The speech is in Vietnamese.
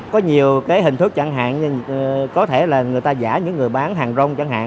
có nhiều cái hình thức chẳng hạn như có thể là người ta giả những người bán hàng rong chẳng hạn